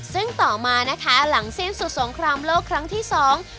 ซึ่งต่อมานะคะหลังสิ้นสุดสงครามโลกครั้งที่สอง